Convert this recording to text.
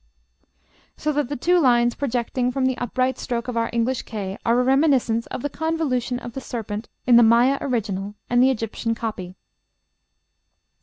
So that the two lines projecting from the upright stroke of our English K are a reminiscence of the convolution of the serpent in the Maya original and the Egyptian copy.